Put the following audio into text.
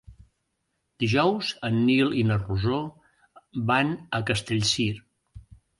Dijous en Nil i na Rosó van a Castellcir.